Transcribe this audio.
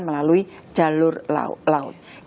hal yang dapat kita lakukan